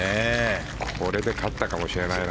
これで勝ったかもしれないな。